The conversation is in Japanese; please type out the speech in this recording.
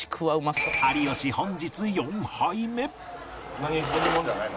有吉本日４杯目